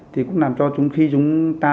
thì cũng làm cho chúng ta